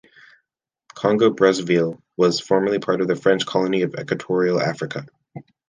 Congo-Brazzaville was formerly part of the French colony of Equatorial Africa.